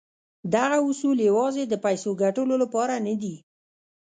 دغه اصول يوازې د پيسو ګټلو لپاره نه دي.